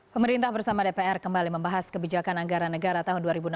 pemerintah bersama dpr kembali membahas kebijakan anggaran negara tahun dua ribu enam belas